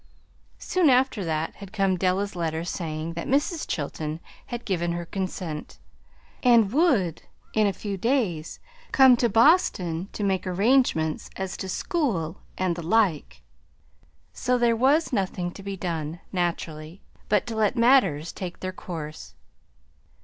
Soon after that had come Della's letter saying that Mrs. Chilton had given her consent, and would in a few days come to Boston to make arrangements as to school, and the like. So there was nothing to be done, naturally, but to let matters take their course.